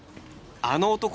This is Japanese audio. あの男